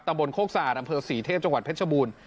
ตำบลโฆษาดำเภอศรีเทพจังหวัดเพชรบูรณ์